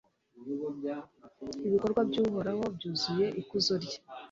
ibikorwa by'uhoraho byuzuye ikuzo rye